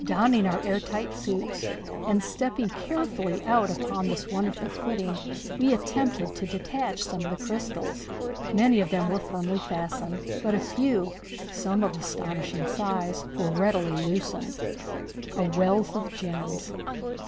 Donning our air tight suits and stepping carefully out upon this wonderful footing we attempted to detach some of the crystals. Many of them were firmly fastened, but a few some of astonishing size were readily loosened. A Wealth of Gems.